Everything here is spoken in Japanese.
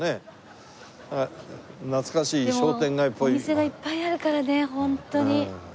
でもお店がいっぱいあるからねホントに。